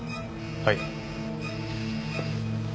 はい。